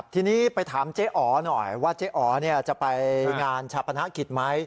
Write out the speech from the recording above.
ทีนี้ไปถามเจ๊อ๋อหน่อยว่าเจ๊อ๋อจะไปงานชาปนกิจไหม